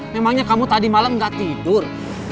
memangnya kamu tadi malem gak tidur